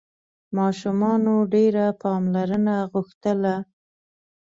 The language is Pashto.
ماشومانو ډېره پاملرنه غوښتله.